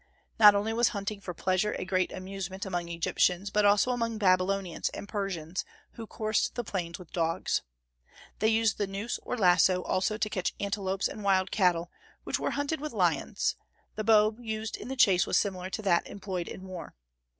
Not only was hunting for pleasure a great amusement among Egyptians, but also among Babylonians and Persians, who coursed the plains with dogs. They used the noose or lasso also to catch antelopes and wild cattle, which were hunted with lions; the bow used in the chase was similar to that employed in war.